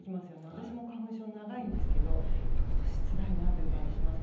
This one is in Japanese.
私も花粉症長いんですけど今年つらいなという感じします。